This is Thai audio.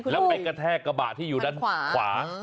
แล้วไปกระแทกกระบะที่อยู่ด้านขวา